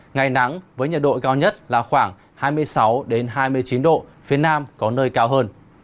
ngày nắng với nhiệt độ cao nhất là khoảng hai mươi sáu hai mươi chín độ phía nam có nơi cao hơn